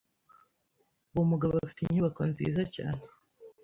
Uwo mugabo afite inyubako nziza cyane.